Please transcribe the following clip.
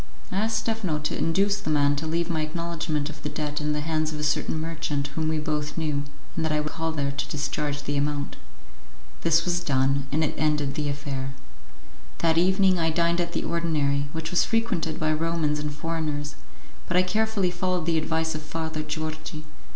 I asked Stephano to induce the man to leave my acknowledgement of the debt in the hands of a certain merchant whom we both knew, and that I would call there to discharge the amount. This was done, and it ended the affair. That evening I dined at the ordinary, which was frequented by Romans and foreigners; but I carefully followed the advice of Father Georgi.